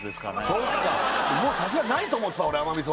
そっかもうさすがにないと思ってた俺甘味噌